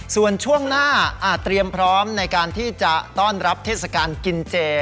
ส่วนช่วงหน้าเตรียมพร้อมในการที่จะต้อนรับเทศกาลกินเจ